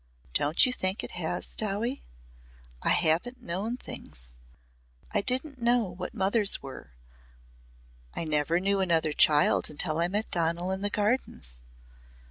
"Don't you think it has, Dowie? I haven't known things. I didn't know what mothers were. I never knew another child until I met Donal in the Gardens.